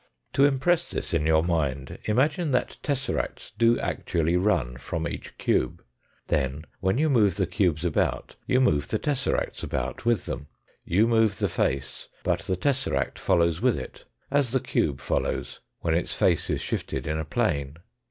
To impress this in your mind, imagine that tesseracts do actually run from each cube. Then, when you move the cubes about, you move the tesseracts about with them. You move the face but the tesseract follows with it, as the cube follows when its face is shifted in a plane.